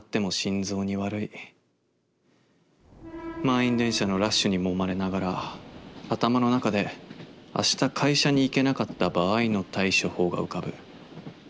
満員電車のラッシュにもまれながら頭のなかで『明日会社に行けなかった場合』の対処法が浮かぶ。